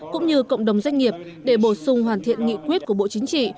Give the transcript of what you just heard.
cũng như cộng đồng doanh nghiệp để bổ sung hoàn thiện nghị quyết của bộ chính trị